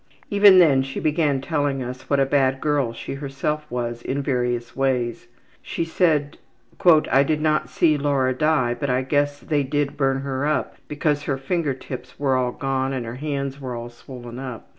Even then she began telling us what a bad girl she herself was in various ways. She said, ``I did not see Laura die, but I guess they did burn her up because her finger tips were all gone and her hands were all swollen up.